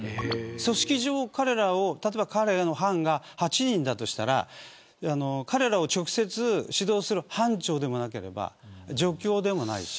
組織上、例えば彼らの班が８人だとしたら彼らを直接指導する班長でもなければ助教でもないし。